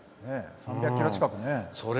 ３００キロ近くね。